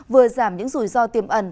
vừa giảm những rủi ro tiềm ẩn